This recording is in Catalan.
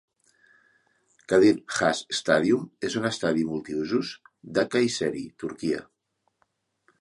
Kadir Has Stadium és un estadi multiusos de Kayseri (Turquia).